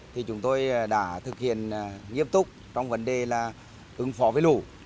thì chúng tôi đã thực hiện nghiêm túc trong vấn đề là ứng phó với lũ